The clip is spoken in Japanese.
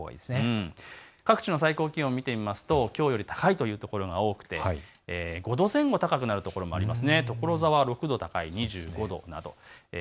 各地の最高気温見てみますときょうより高いというところが多くて５度前後高くなる所もあります。